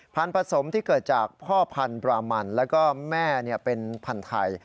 ผสมที่เกิดจากพ่อพันธุ์บรามันแล้วก็แม่เป็นพันธุ์ไทย